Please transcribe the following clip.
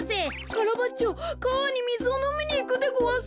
カラバッチョかわにみずをのみにいくでごわす。